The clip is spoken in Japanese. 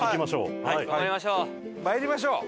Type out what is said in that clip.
頑張りましょう！